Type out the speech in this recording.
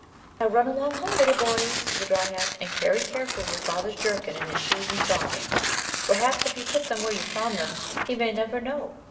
"Now run along home, little boy," said the dryad, "and carry carefully your father's jerkin and his shoes and stock ings. Perhaps if you put them where you found them, he may never know.